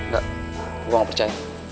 gak gue gak percaya